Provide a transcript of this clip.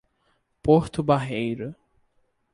Porto Barreiro